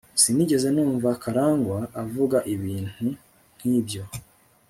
sinigeze numva karangwa avuga ibintu nkibyo